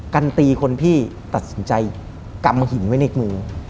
กันตีคนพี่ตัดสินใจกำหินไว้ในมือ